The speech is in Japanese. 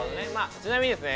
ちなみにですね。